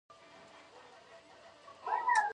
ځمکنی شکل د افغانستان د ځمکې د جوړښت نښه ده.